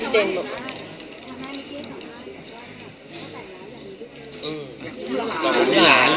อย่างว่าพี่เจน